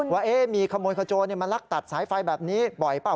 ว่ามีขโมยขโจรมาลักตัดสายไฟแบบนี้บ่อยเปล่า